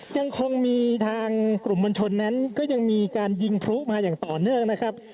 ยังคงมีทางกลุ่มมวลชนนั้นก็ยังมีการยิงพลุมาอย่างต่อเนื่องนะครับ